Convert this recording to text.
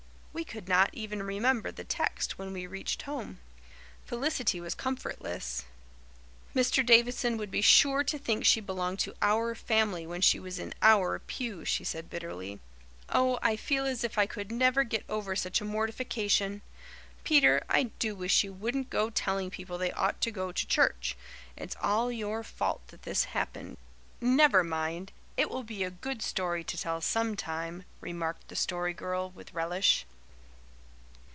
We could not even remember the text when we reached home. Felicity was comfortless. "Mr. Davidson would be sure to think she belonged to our family when she was in our pew," she said bitterly. "Oh, I feel as if I could never get over such a mortification! Peter, I do wish you wouldn't go telling people they ought to go to church. It's all your fault that this happened." "Never mind, it will be a good story to tell sometime," remarked the Story Girl with relish.